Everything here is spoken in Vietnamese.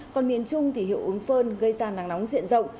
còn miền trung thì hiệu ứng phơn gây ra nắng nóng diện rộng